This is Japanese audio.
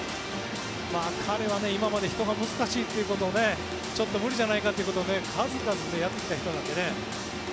彼は今まで人が難しいと言うことをちょっと無理じゃないかということを数々やってきた人なのでね。